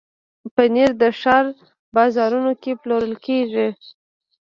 پنېر د ښار بازارونو کې پلورل کېږي.